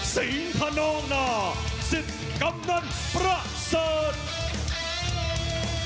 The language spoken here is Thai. สิทธิ์กำลังพระเซอร์เชียม